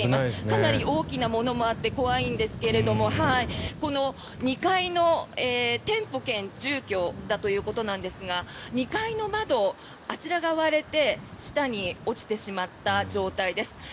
かなり大きなものもあって怖いんですけれどもこちら、２階の店舗兼住居だということですが２階の窓、あちらが割れて下に落ちてしまった状態です。